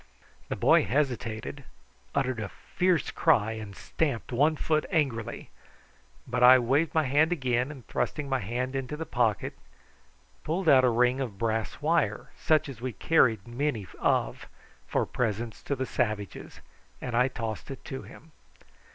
The boy hesitated, uttered a fierce cry, and stamped one foot angrily; but I waved my hand again, and, thrusting my hand into my pocket, pulled out a ring of brass wire, such as we carried many of for presents to the savages, and I tossed it to him.